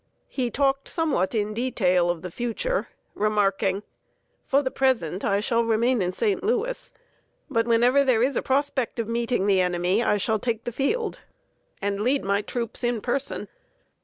He talked somewhat in detail of the future, remarking, "For the present, I shall remain in St. Louis; but whenever there is a prospect of meeting the enemy, I shall take the field, and lead my troops in person.